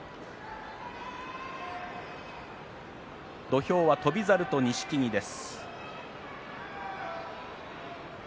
土俵は翔猿に錦木です。